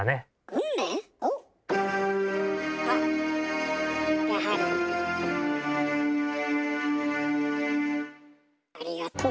ありがとう。